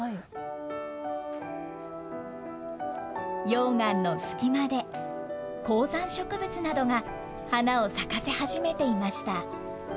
溶岩の隙間で、高山植物などが花を咲かせ始めていました。